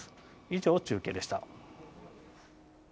以上、中継でした。